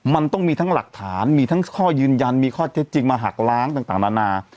มันต้องมีทั้งหลักฐานมีทั้งข้อยืนยันมีข้อเท็จจริงมาหักล้างต่างนานา